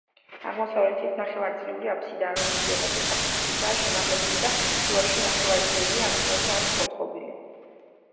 აღმოსავლეთით ნახევარწრიული აფსიდაა, რომლის იატაკი საფეხურითაა შემაღლებული და შუაში ნახევარწრიული ამბიონი აქვს მოწყობილი.